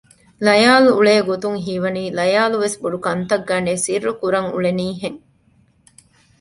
ލަޔާލް އުޅޭގޮތުން ހީވަނީ ލަޔާލުވެސް ބޮޑުކަންތައް ގަނޑެއް ސިއްރުކުރަން އުޅެނީ ހެން